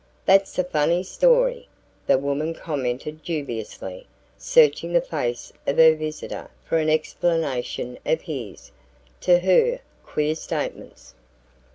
"That's a funny story," the woman commented dubiously, searching the face of her visitor for an explanation of his, to her, queer statements.